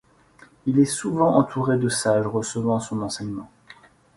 Il est souvent entouré de sages recevant son enseignement.